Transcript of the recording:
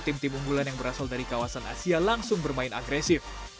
tim tim unggulan yang berasal dari kawasan asia langsung bermain agresif